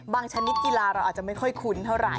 ชนิดกีฬาเราอาจจะไม่ค่อยคุ้นเท่าไห